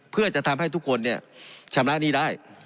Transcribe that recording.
เพื่อจะทำให้ทุกคนชำระหนี้ได้